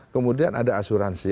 kemudian ada asuransi